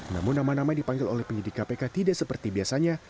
namun nama nama yang dipanggil oleh penyidik kpk tidak seperti biasanya